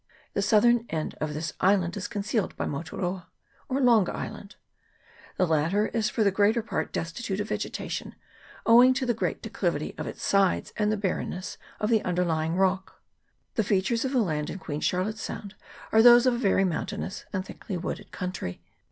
The southern end of this island is concealed by Moturoa, or Long Island The latter is for the greater part destitute of vegeta tion, owing to the great declivity of its sides and the barrenness of the underlying rock. The features of the land in Queen Charlotte's Sound are those of a very mountainous and thickly wooded country.